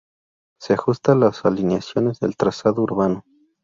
Se ajusta a las alineaciones del trazado urbano.